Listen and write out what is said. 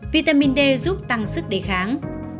vitamin d giúp tăng sức đề kháng